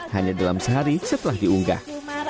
hanya dalam sehari setelah diunggah